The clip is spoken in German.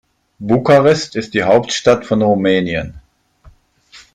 Bukarest ist die Hauptstadt von Rumänien.